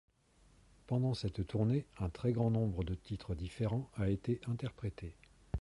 Pendant cette tournée un très grand nombre de titres différents a été interprété.